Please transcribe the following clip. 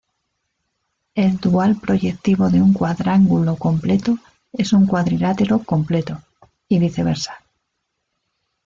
El dual proyectivo de un cuadrángulo completo es un cuadrilátero completo, y viceversa.